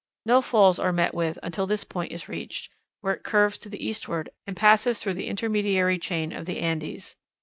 No falls are met with until this point is reached, where it curves to the eastward, and passes through the intermediary chain of the Andes.